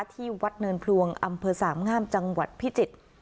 ที่วัดเนินพลวงอำเภอสามงามจังหวัดพิจิตร